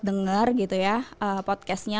dengar gitu ya podcastnya